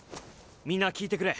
みんな聞いてくれ。